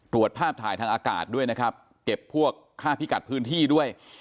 ตรวจภาพถ่ายทางอากาศด้วยนะครับเก็บพวกค่าพิกัดพื้นที่ด้วย